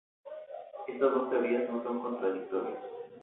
Estas dos teorías no son contradictorias.